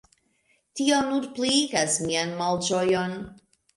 Tio nur pliigas mian malĝojon.